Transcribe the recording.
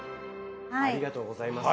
ありがとうございます。